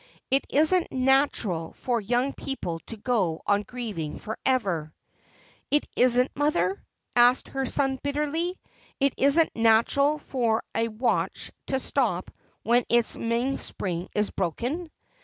It isn't natural for young people to go on grieving for ever.' ' Isn't it, mother ?' asked her son bitterly. ' Isn't it natural for a watch to stop when its mainspring is broken